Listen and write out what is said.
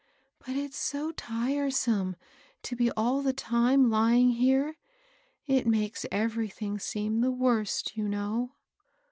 But it's so tiresome 14 210 MABBL ROSS. to be all the time lying here ; it makes eyerything seem the worst, you know."